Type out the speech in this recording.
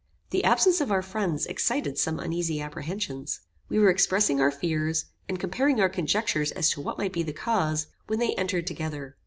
The absence of our friends excited some uneasy apprehensions. We were expressing our fears, and comparing our conjectures as to what might be the cause, when they entered together.